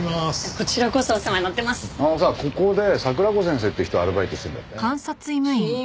ここで桜子先生って人アルバイトしてるんだってね。